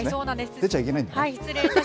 出ちゃいけないんだね。